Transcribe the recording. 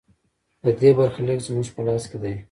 د دې برخلیک زموږ په لاس کې دی